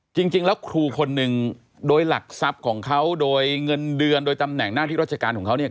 จริงแล้วครูคนหนึ่งโดยหลักทรัพย์ของเขาโดยเงินเดือนโดยตำแหน่งหน้าที่ราชการของเขาเนี่ย